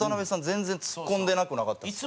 全然ツッコんでなくなかったですか？